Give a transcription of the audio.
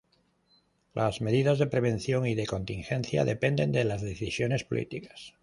Las medidas de prevención y de contingencia dependen de las decisiones políticas.